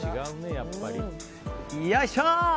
よいしょ！